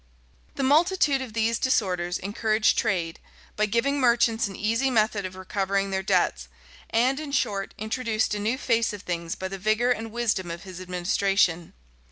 The multitude of these disorders[*] encouraged trade, by giving merchants an easy method of recovering their debts;[] and, in short, introduced a new face of things by the vigor and wisdom of his administration.